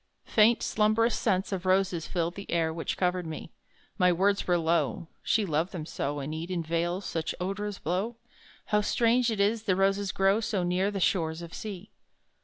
Faint slumbrous scents of roses filled The air which covered me: My words were low "she loved them so, In Eden vales such odours blow: How strange it is that roses grow So near the shores of Sea!"